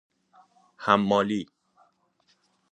حمالی